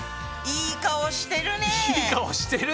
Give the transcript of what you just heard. いい顔してる！